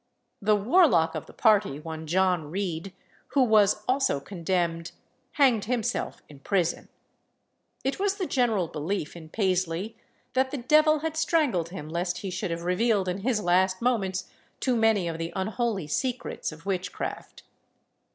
The warlock of the party, one John Reed, who was also condemned, hanged himself in prison. It was the general belief in Paisley that the devil had strangled him lest he should have revealed in his last moments too many of the unholy secrets of witchcraft.